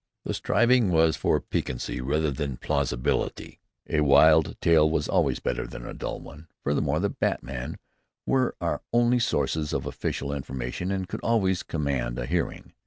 The striving was for piquancy rather than plausibility. A wild tale was always better than a dull one; furthermore the "batmen" were our only sources of official information, and could always command a hearing.